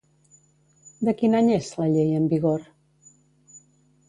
De quin any és la llei en vigor?